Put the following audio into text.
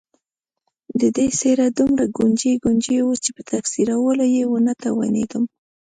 د ده څېره دومره ګونجي ګونجي وه چې په تفسیرولو یې ونه توانېدم.